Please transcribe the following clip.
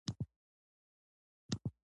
هغه هغې ته په درناوي د هوا کیسه هم وکړه.